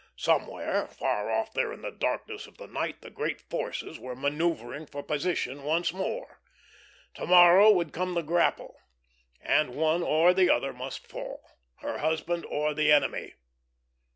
Somewhere, far off there in the darkness of the night, the great forces were manoeuvring for position once more. To morrow would come the grapple, and one or the other must fall her husband or the enemy.